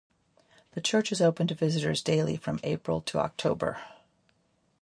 The church is open to visitors daily from April - October.